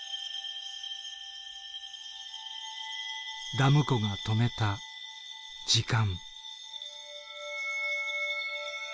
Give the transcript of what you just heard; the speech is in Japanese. ダム湖が止めた時間。